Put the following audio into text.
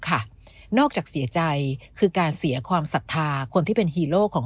ค่ะนอกจากเสียใจคือการเสียความศรัทธาคนที่เป็นฮีโร่ของ